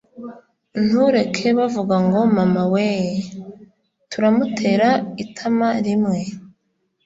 ntureke bavuga ngo mama weee! turamutera itama rimwe